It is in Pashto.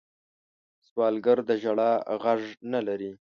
سوالګر د ژړا غږ نه لري